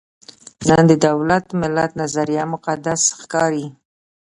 نن د دولت–ملت نظریه مقدس ښکاري.